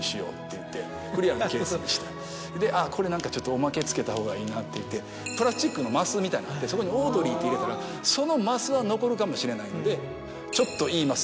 あぁこれ何かおまけ付けた方がいいなって言ってプラスチックの升みたいのあってそこに「オードリー」って入れたらその升は残るかもしれないので。